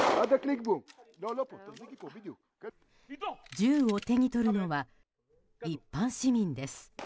銃を手に取るのは一般市民です。